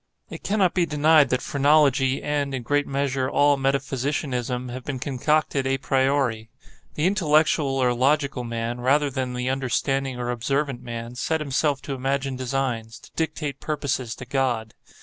It cannot be denied that phrenology and, in great measure, all metaphysicianism have been concocted a priori. The intellectual or logical man, rather than the understanding or observant man, set himself to imagine designs—to dictate purposes to God.